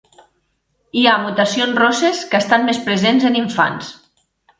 Hi ha mutacions rosses que estan més presents en infants.